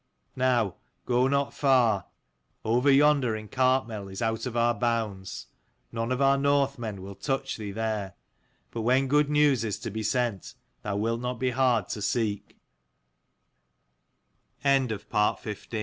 Now go not far. Over yonder in Cartmel is out of our bounds. None of our Northmen will touch thee there : but when good news is to be sent, thou wilt not be hard to see